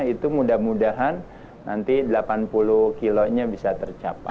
itu mudah mudahan nanti delapan puluh kilonya bisa tercapai